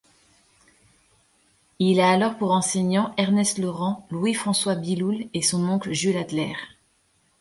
Il a alors pour enseignants Ernest Laurent, Louis-François Biloul et son oncle Jules Adler.